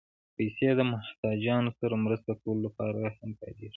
پېسې د محتاجانو سره مرسته کولو لپاره هم کارېږي.